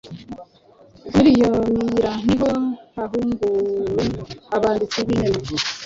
Muri iyo miyira ni ho hahuguwe abanditsi b'imena